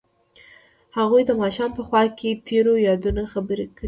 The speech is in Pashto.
هغوی د ماښام په خوا کې تیرو یادونو خبرې کړې.